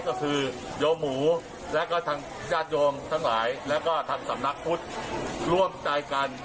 ก็คือโยหมูและก็ทางญาติโยมทั้งหลายแล้วก็ทางสำนักพุทธร่วมใจกัน